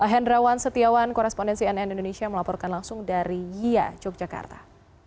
hendrawan setiawan korrespondensi nn indonesia melaporkan langsung dari yogyakarta